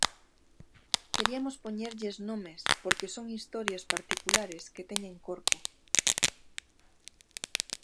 Queriamos poñerlles nomes porque son historias particulares que teñen corpo.